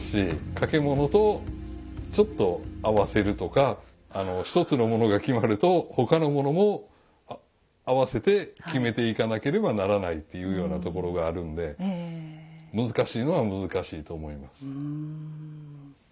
掛物とちょっと合わせるとか１つのものが決まると他のものもあわせて決めていかなければならないっていうようなところがあるんで難しいのは難しいと思います。